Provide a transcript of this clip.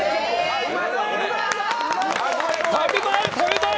食べたい？